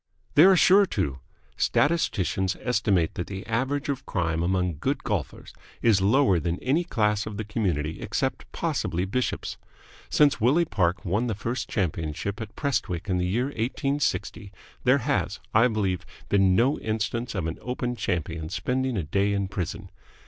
"They are sure to. Statisticians estimate that the average of crime among good golfers is lower than in any class of the community except possibly bishops. Since Willie Park won the first championship at Prestwick in the year 1860 there has, I believe, been no instance of an Open Champion spending a day in prison.